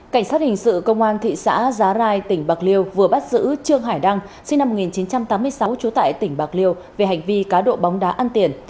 cảnh sát hình sự công an thị xã giá rai tỉnh bạc liêu vừa bắt giữ trương hải đăng sinh năm một nghìn chín trăm tám mươi sáu trú tại tỉnh bạc liêu về hành vi cá độ bóng đá ăn tiền